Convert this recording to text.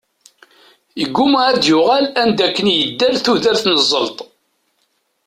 Yegguma ad d-yuɣal anda akken i yedder tudert n zzelṭ.